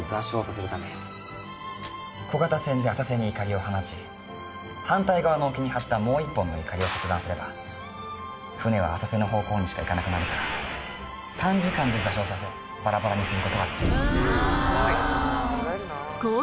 小型船で浅瀬に錨を放ち反対側の沖に張ったもう１本の錨を切断すれば船は浅瀬の方向にしか行かなくなるから短時間で座礁させバラバラにすることができるんです。